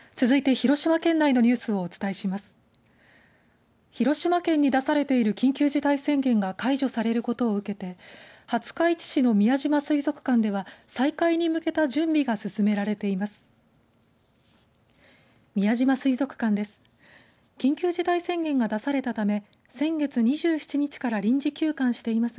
広島県に出されている緊急事態宣言が解除されることを受けて廿日市市の宮島水族館では再開に向けた準備が進められています。